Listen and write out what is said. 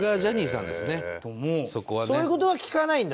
そういう事は聞かないんだ？